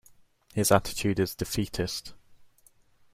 His attitude is defeatist.